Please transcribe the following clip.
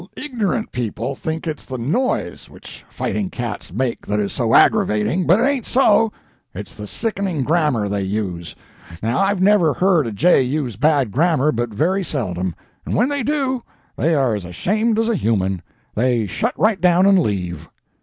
Ignorant people think it's the NOISE which fighting cats make that is so aggravating, but it ain't so; it's the sickening grammar they use. Now I've never heard a jay use bad grammar but very seldom; and when they do, they are as ashamed as a human; they shut right down and leave.